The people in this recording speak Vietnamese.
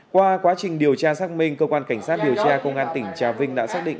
qua quá trình điều tra xác minh cơ quan cảnh sát điều tra công an tỉnh trà vinh đã xác định